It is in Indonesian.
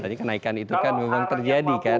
jadi kenaikan itu kan memang terjadi kan